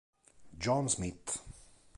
John Smith